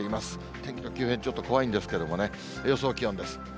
天気の急変、ちょっと怖いんですけどもね、予想気温です。